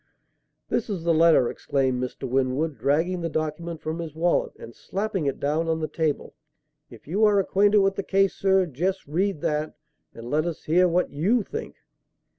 "This is the letter," exclaimed Mr. Winwood, dragging the document from his wallet and slapping it down on the table. "If you are acquainted with the case, sir, just read that, and let us hear what you think."